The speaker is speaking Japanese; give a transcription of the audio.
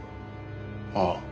ああ。